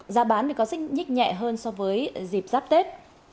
giá bán có sức nhích nhẹ hơn so với dịp giáp tết